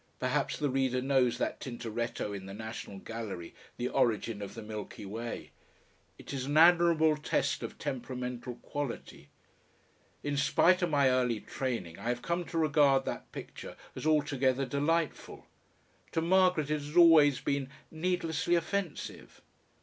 Perhaps the reader knows that Tintoretto in the National Gallery, the Origin of the Milky Way. It is an admirable test of temperamental quality. In spite of my early training I have come to regard that picture as altogether delightful; to Margaret it has always been "needlessly offensive."